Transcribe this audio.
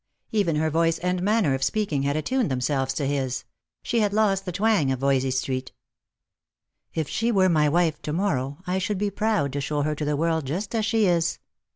Even her voice and manner of speaking had attuned themselves to his — she had lost the twang of Yoysey street. " If she were my wife to morrow I should be proud to show her to the world just as she is.